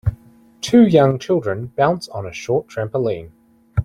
Two young children Bounce on a short trampoline.